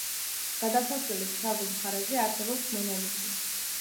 გადასასვლელის ფრანგულ მხარეზე არსებობს მონოლითი.